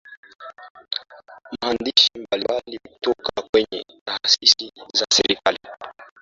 maandishi mbalimbali kutoka kwenye Taasisi za serikali